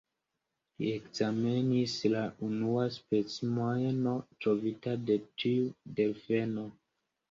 Li ekzamenis la unuan specimenon trovita de tiu delfeno.